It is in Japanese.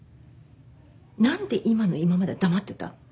何で今の今まで黙ってた？